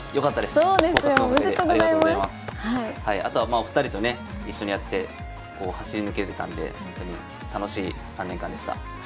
あとはまあお二人とね一緒にやってこう走り抜けれたんでほんとに楽しい３年間でした。